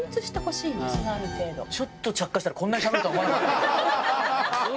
ちょっと着火したらこんなにしゃべるとは思わなかったです。